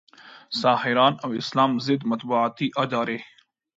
ساحران او اسلام ضد مطبوعاتي ادارې